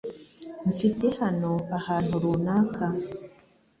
Mfite hano ahantu runaka .